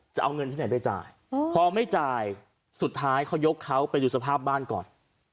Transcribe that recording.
จะเอาเงินที่ไหนไปจ่ายพอไม่จ่ายสุดท้ายเขายกเขาไปดูสภาพบ้านก่อน